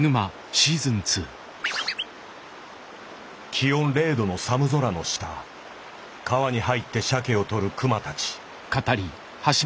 気温０度の寒空の下川に入って鮭を捕る熊たち。